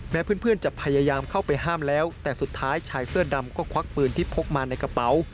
เพื่อนจะพยายามเข้าไปห้ามแล้วแต่สุดท้ายชายเสื้อดำก็ควักปืนที่พกมาในกระเป๋า